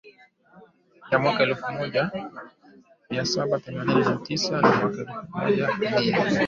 ya mwaka elfu moja mia saba themanini na tisa na mwaka elfu moja mia